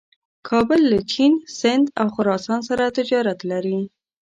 کابل له چین، سیند او خراسان سره تجارت لري.